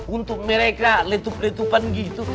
untuk mereka letupan letupan gitu